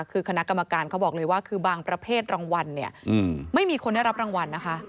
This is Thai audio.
คือคณะกรรมการเขาบอกเลยว่าคือบางประเภทรางวัลเนี่ยไม่มีคนได้รับรางวัลนะคะ